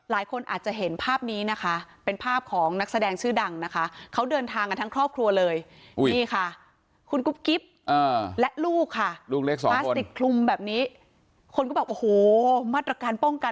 ลูกค่ะลูกเล็กสองคนพลาสติกคลุมแบบนี้คนก็บอกโอ้โหมาตรการป้องกัน